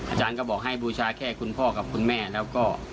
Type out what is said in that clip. อาจารย์ก็บอกให้บูชาแค่คุณพ่อกับคุณแม่แล้วก็